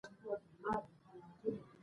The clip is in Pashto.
ملالۍ خپل پلار سره راغلې وه.